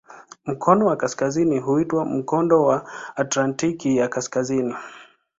Mkono wa kaskazini huitwa "Mkondo wa Atlantiki ya Kaskazini".